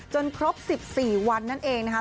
ครบ๑๔วันนั่นเองนะคะ